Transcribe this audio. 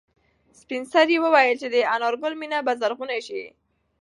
سپین سرې وویل چې د انارګل مېنه به زرغونه شي.